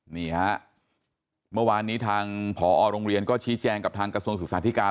นี่ฮะเมื่อวานนี้ทางผอโรงเรียนก็ชี้แจงกับทางกระทรวงศึกษาธิการ